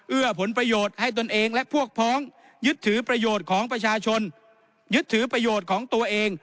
เอื้อผลประโยชน์ให้ตนเองและพวกพ้องยึดถือประโยชน์ของตัวเอง